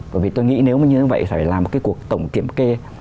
bởi vì tôi nghĩ nếu như vậy phải làm một cái cuộc tổng kiểm kê